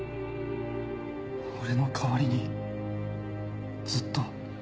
俺の代わりにずっと。